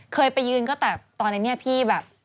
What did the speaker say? เคยไปยืนก็แต่ตอนในนี้พี่แบบ